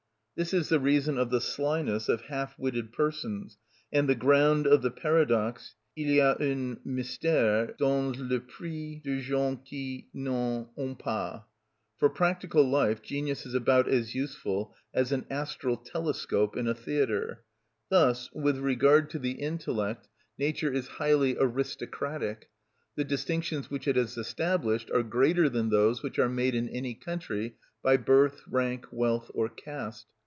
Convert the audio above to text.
This is the reason of the slyness of half witted persons, and the ground of the paradox: Il y a un mystère dans l'esprit des gens qui n'en ont pas. For practical life genius is about as useful as an astral telescope in a theatre. Thus, with regard to the intellect nature is highly aristocratic. The distinctions which it has established are greater than those which are made in any country by birth, rank, wealth, or caste.